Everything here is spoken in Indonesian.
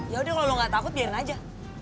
ya udah kalau lo nggak takut biarin aja